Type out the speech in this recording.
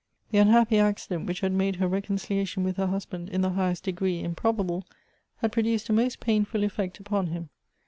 The unhappy accident which had made her reconciliation with her husband in the highest degi ee improbable, had produced a most painful effect upon him.